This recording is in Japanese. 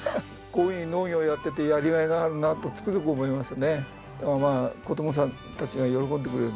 こういう農業やっててやりがいがあるなとつくづく思いますね。